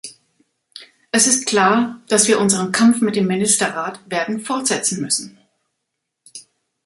Es ist klar, dass wir unseren Kampf mit dem Ministerrat werden fortsetzen müssen.